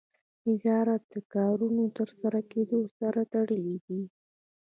نظارت د کارونو د ترسره کیدو سره تړلی دی.